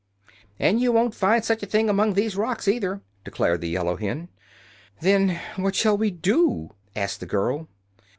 "And you won't find such a thing among these rocks, either," declared the yellow hen. "Then what shall we do?" asked the girl.